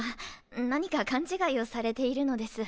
何か勘違いをされているのです。